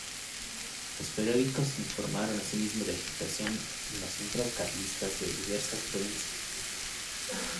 Los periódicos informaron asimismo de agitación en los centros carlistas de diversas provincias.